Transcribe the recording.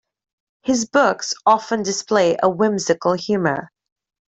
His books often display a whimsical humor.